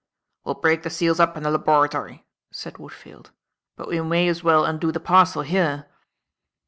"We'll break the seals up in the laboratory," said Woodfield, "but we may as well undo the parcel here."